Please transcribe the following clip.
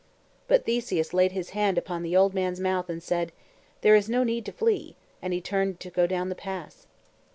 But Theseus laid his hand upon the old man's mouth, and said: "There is no need to flee;" and he turned to go down the pass.